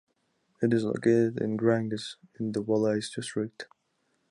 It is located in Granges in the Valais district.